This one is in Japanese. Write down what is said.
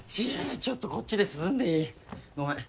ちょっとこっちで涼んでいい？ごめん。